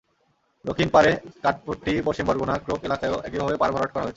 দক্ষিণ পাড়ে কাঠপট্টি, পশ্চিম বরগুনা, ক্রোক এলাকায়ও একইভাবে পাড় ভরাট করা হয়েছে।